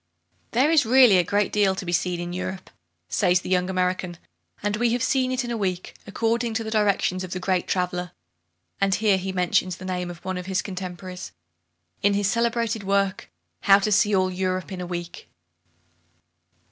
"There is really a great deal to be seen in Europe," says the young American, "and we have seen it in a week, according to the directions of the great traveller" (and here he mentions the name of one of his contemporaries) "in his celebrated work, 'How to See All Europe in a Week.'"